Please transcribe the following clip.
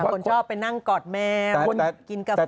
คนชอบไปนั่งกอดแมวคนกินกาแฟ